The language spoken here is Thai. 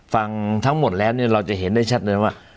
ฟังทั้งหมดแล้วเนี่ยเราจะเห็นได้ชัดเลยว่า